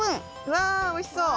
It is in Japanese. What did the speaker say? わあおいしそう！